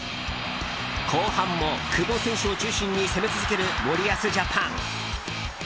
後半も久保選手を中心に攻め続ける森保ジャパン。